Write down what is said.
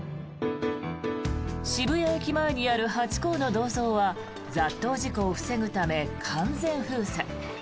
渋谷駅前にあるハチ公の銅像は雑踏事故を防ぐため完全封鎖。